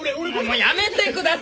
もうやめてください！